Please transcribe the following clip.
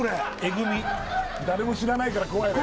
グミ誰も知らないから怖いね